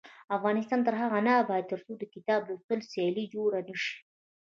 افغانستان تر هغو نه ابادیږي، ترڅو د کتاب لوستلو سیالۍ جوړې نشي.